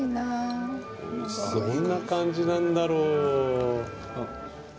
どんな感じなんだろう。